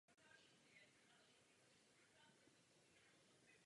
Ostatní budovy se zahradami byly zcela přestavěny.